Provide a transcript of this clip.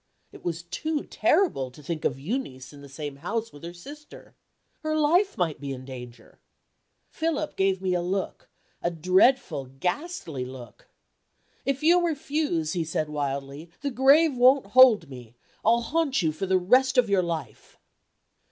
It was too terrible to think of Euneece in the same house with her sister. Her life might be in danger! Philip gave me a look, a dreadful ghastly look. "If you refuse," he said wildly, "the grave won't hold me. I'll haunt you for the rest of your life."